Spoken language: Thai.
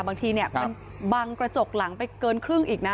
บางทีเนี้ยครับมันบังกระจกหลังไปเกินครึ่งอีกน่ะอ๋อ